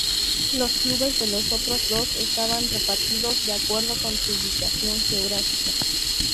Los clubes de los otros dos estaban repartidos de acuerdo con su ubicación geográfica.